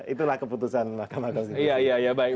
itulah keputusan mahkamah konstitusi